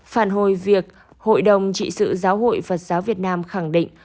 phản hồi việc hội đồng trị sự giáo hội phật giáo việt nam khẳng định